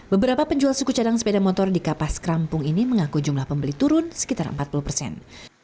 beberapa penjual suku cadang sepeda motor di kapas kerampung ini mengaku jumlah pembeli turun sekitar empat puluh persen